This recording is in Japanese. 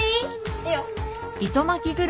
いいよ。